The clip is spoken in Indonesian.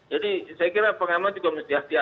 jadi saya kira pengamal juga mesti hati hati lah